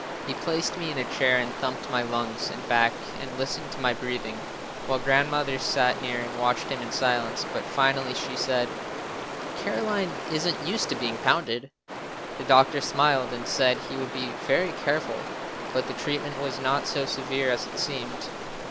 He placed me in a chair and thumped my lungs and back and listened to my breathing while Grandmother sat near and watched him in silence, but finally she said, "Caroline isn't used to being pounded!" The doctor smiled and said he would be very careful, but the treatment was not so severe as it seemed.